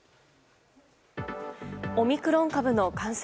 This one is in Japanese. オミクロン株の感染